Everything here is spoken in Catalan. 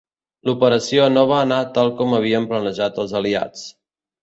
L'operació no va anar tal com havien planejat els aliats.